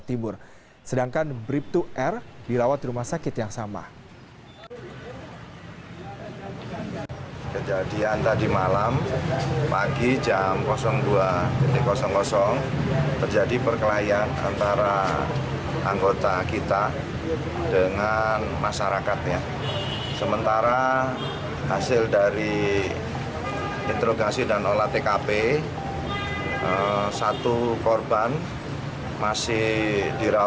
tidak ada yang mau berpikir